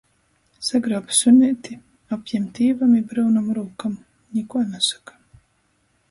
Sagruob suneiti, apjem tīvom i bryunom rūkom. Nikuo nasoka.